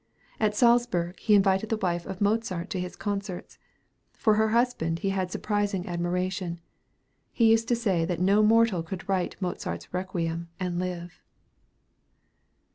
At Salzburg he invited the wife of Mozart to his concerts. For her husband he had surpassing admiration. He used to say that no mortal could write Mozart's "Requiem" and live.